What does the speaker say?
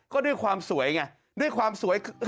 ก็ด้วยความสวยไงด้วยความสวย